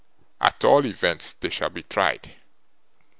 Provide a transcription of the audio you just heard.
At all events they shall be tried.